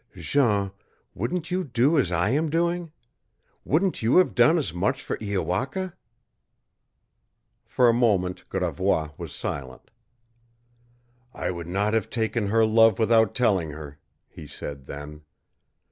"Jean, wouldn't you do as I am doing? Wouldn't you have done as much for Iowaka?" For a moment Gravois was silent. "I would not have taken her love without telling her," he said then.